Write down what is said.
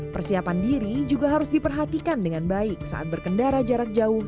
persiapan diri juga harus diperhatikan dengan baik saat berkendara jarak jauh